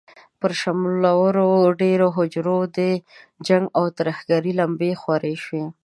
پر شملورو دېرو، هوجرو د جنګ او ترهګرۍ لمبې خورې شوې.